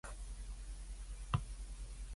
超音速飛行